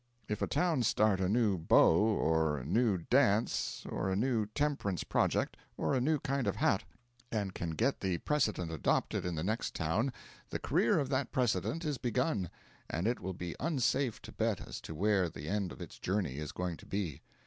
If a town start a new bow, or a new dance, or a new temperance project, or a new kind of hat, and can get the precedent adopted in the next town, the career of that precedent is begun; and it will be unsafe to bet as to where the end of its journey is going to be.